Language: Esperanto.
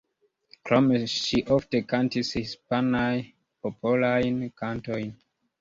Krome, ŝi ofte kantis hispanajn popolajn kantojn.